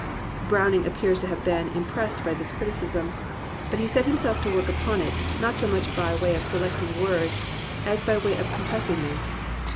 Browning ap pears to have been impressed by this criticism; but he set himself to work upon it, not so much by way of selecting words as by way of compressing them.